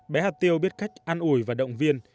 bé hạt tiêu biết cách ăn ủi và động viên